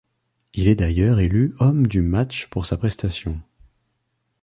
Il est d'ailleurs élu homme du match pour sa prestation.